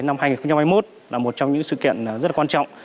năm hai nghìn hai mươi một là một trong những sự kiện rất quan trọng